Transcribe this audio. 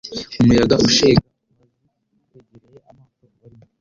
Umuyaga ushega wazi wegereye amato barimo,